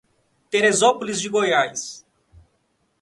Terezópolis de Goiás